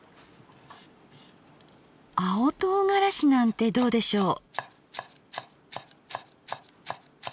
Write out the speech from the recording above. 青とうがらしなんてどうでしょう？